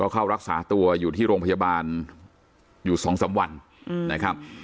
เข้ารักษาตัวอยู่ที่โรงพยาบาลอยู่๒๓วันนะครับ